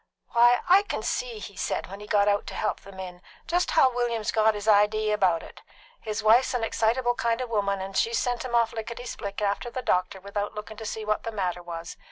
"Why, I can see," he said, when he got out to help them in, "just how William's got his idee about it. His wife's an excitable kind of a woman, and she's sent him off lickety split after the doctor without looking to see what the matter was.